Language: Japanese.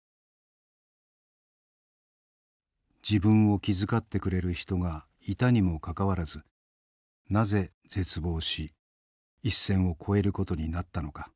自分を気遣ってくれる人がいたにもかかわらずなぜ絶望し一線を越えることになったのか。